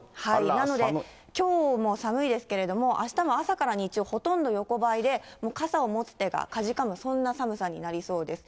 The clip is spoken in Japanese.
なのできょうも寒いですけど、あしたも朝から日中、ほとんど横ばいで、傘を持つ手がかじかむ、そんな寒さになりそうです。